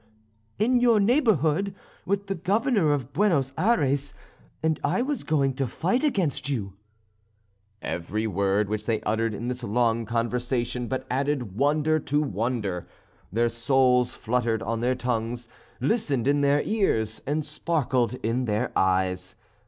"In your neighbourhood, with the Governor of Buenos Ayres; and I was going to fight against you." Every word which they uttered in this long conversation but added wonder to wonder. Their souls fluttered on their tongues, listened in their ears, and sparkled in their eyes.